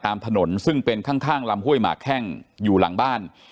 ตามถนนซึ่งเป็นข้างลำห้วยหมากแข้งอยู่หลังบ้าน